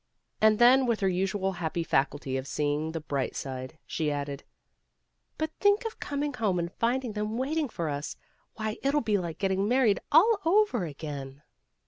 And then with her usual happy faculty for seeing the bright side, she added, "But think of coming home and finding them waiting for us! Why, it'll be like getting married all over again."